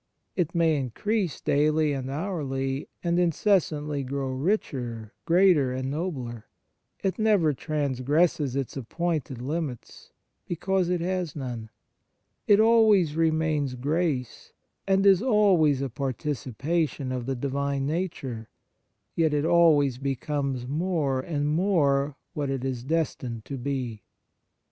It may increase daily and hourly, and incessantly grow richer, greater, and nobler ; it never transgresses its appointed limits, because it has none; it always remains grace, and is always a participa tion of the Divine Nature; yet it always becomes more and more what it is destined to be.